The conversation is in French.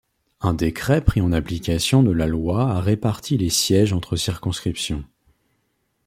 Un décret pris en application de la loi a réparti les sièges entre circonscriptions.